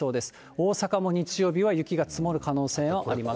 大阪も日曜日は雪が積もる可能性があります。